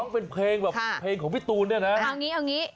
เพลงของพี่ตูนเนี้ยนะ